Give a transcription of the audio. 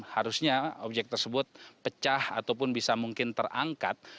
harusnya objek tersebut pecah ataupun bisa mungkin terangkat